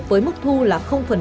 với mức thu là